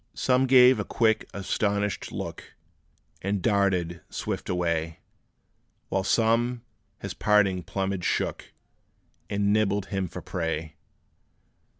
Some gave a quick, astonished look, And darted swift away; While some his parting plumage shook, And nibbled him for prey.